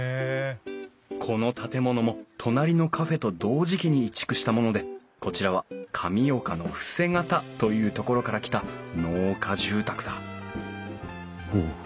この建物も隣のカフェと同時期に移築したものでこちらは神岡の伏方という所から来た農家住宅だおおっ